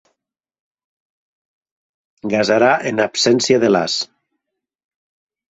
Gasarà en absència de l'as.